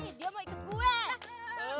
iya ini mah kemana ributanya sih